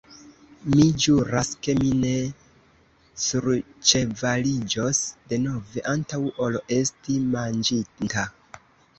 Mi ĵuras, ke mi ne surĉevaliĝos denove, antaŭ ol esti manĝinta.